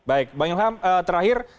baik bang ilham terakhir